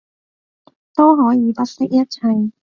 都可以不惜一切